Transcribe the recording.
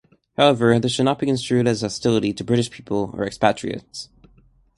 However, this should not be construed as hostility to British people or expatriates.